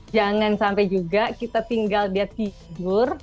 jangan sampai juga kita tinggal dia tidur